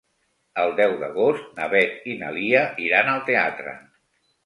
El deu d'agost na Beth i na Lia iran al teatre.